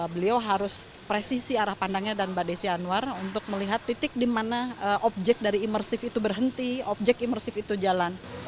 beliau harus presisi arah pandangnya dan mbak desi anwar untuk melihat titik di mana objek dari imersif itu berhenti objek imersif itu jalan